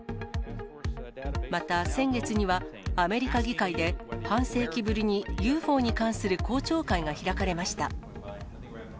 また先月には、アメリカ議会で、半世紀ぶりにＵＦＯに関する公聴会が開かれました。